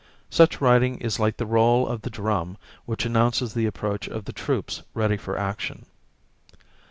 Such writing is like the roll of the drum which announces the approach of the troops ready for action.